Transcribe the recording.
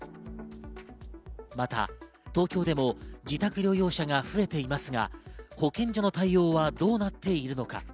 また東京でも自宅療養者が増えていますが、保健所の対応はどうなっているのか。